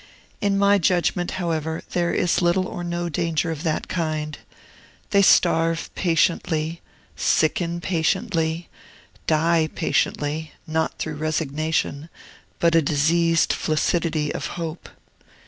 In my judgment, however, there is little or no danger of that kind: they starve patiently, sicken patiently, die patiently, not through resignation, but a diseased flaccidity of hope.